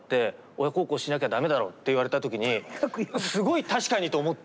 親孝行しなきゃ駄目だろって言われた時にすごい「確かに」と思って。